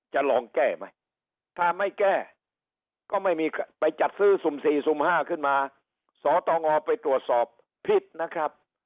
จะลองแก้ไหมถ้าไม่แก้ก็ไม่มีไปจัดซื้อสุ่ม๔สุ่ม๕ขึ้นมาสตงไปตรวจสอบผิดนะครับ